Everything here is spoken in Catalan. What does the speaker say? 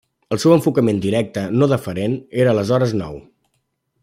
El seu enfocament directe, no deferent, era aleshores nou.